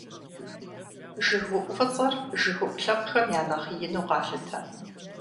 ЖыгыуӀу фӀыцӀэр, жыгыуӀу лъэпкъхэм я нэхъ ину къалъытэ.